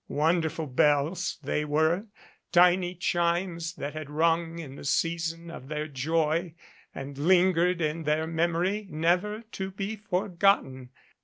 Wonderful bells they were, tiny chimes that had rung in the season of their joy and lingered in their memory never to be forgotten.